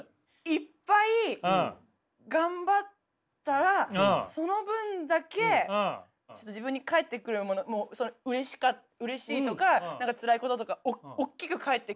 いっぱい頑張ったらその分だけ自分に返ってくるものもうれしいとかつらいこととかおっきく返ってくる。